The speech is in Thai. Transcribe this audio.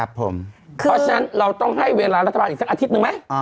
เพราะฉะนั้นเราต้องให้เวลารัฐบาลอีกสักอาทิตย์หนึ่งไหม